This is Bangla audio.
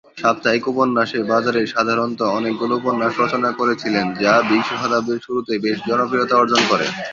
সাপ্তাহিক উপন্যাসে বাজারে সাধারণত অনেকগুলো উপন্যাস রচনা করেছিলেন যা বিংশ শতাব্দীর শুরুতে বেশ জনপ্রিয়তা অর্জন করে।